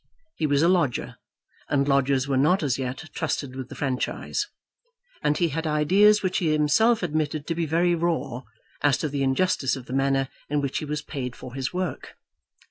He was a lodger, and lodgers were not as yet trusted with the franchise. And he had ideas, which he himself admitted to be very raw, as to the injustice of the manner in which he was paid for his work.